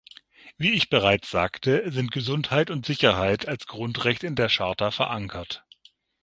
Wie ich bereits sagte, sind Gesundheit und Sicherheit als Grundrecht in der Charta verankert.